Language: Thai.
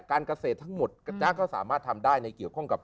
การเกษตรทั้งหมดกระจ๊ะก็สามารถทำได้ในเกี่ยวข้องกับ